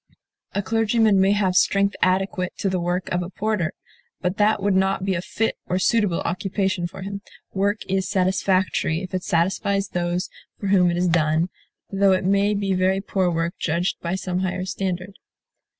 A clergyman may have strength adequate to the work of a porter; but that would not be a fit or suitable occupation for him. Work is satisfactory if it satisfies those for whom it is done, though it may be very poor work judged by some higher standard.